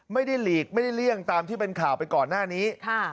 หลีกไม่ได้เลี่ยงตามที่เป็นข่าวไปก่อนหน้านี้